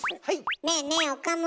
ねえねえ岡村。